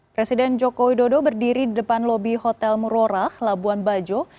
presiden joko widodo berdiri di depan lobi hotel murorah labuan bajo